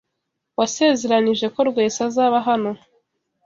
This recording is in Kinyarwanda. Wasezeranije ko Rwesa azaba hano.